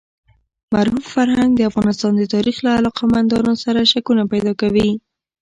مرحوم فرهنګ د افغانستان د تاریخ له علاقه مندانو سره شکونه پیدا کوي.